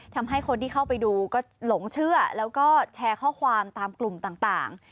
ทำให้คนที่เข้าไปดูก็หลงเชื่อแล้วก็แชร์ข้อความตามกลุ่มต่าง